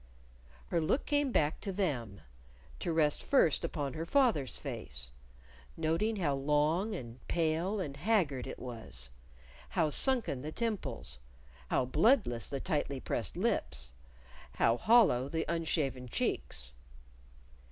Her look came back to them, to rest first upon her father's face, noting how long and pale and haggard it was, how sunken the temples, how bloodless the tightly pressed lips, how hollow the unshaven cheeks.